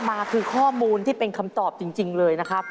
มาคือข้อมูลที่เป็นคำตอบจริงเลยนะครับ